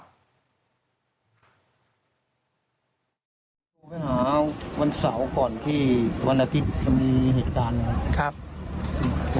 โทรไปหาวันเสาร์ก่อนที่วันอาทิตย์จะมีเหตุการณ์นะครับ